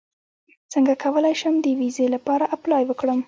څنګه کولی شم د ویزې لپاره اپلای وکړم